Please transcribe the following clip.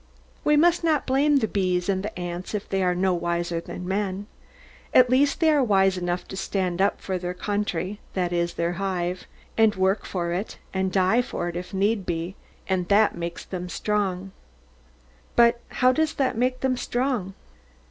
We must not blame the bees and ants if they are no wiser than men. At least they are wise enough to stand up for their country, that is, their hive, and work for it, and die for it, if need be; and that makes them strong. But how does that make them strong?